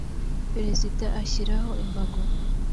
perezida ashyiraho imbago